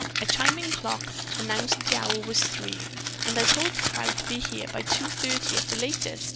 A chiming clock announced that the hour was three. "And I told the crowd to be there by two thirty at the latest."